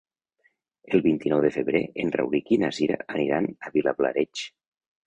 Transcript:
El vint-i-nou de febrer en Rauric i na Cira aniran a Vilablareix.